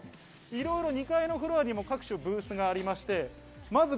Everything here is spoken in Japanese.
いろいろ２階のフロアにも各所ブースがあります。